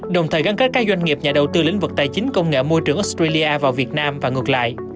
đồng thời gắn kết các doanh nghiệp nhà đầu tư lĩnh vực tài chính công nghệ môi trường australia vào việt nam và ngược lại